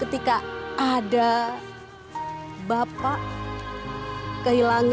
ketika ada bapak kehilanganmu